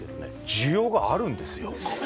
需要があるんですよ。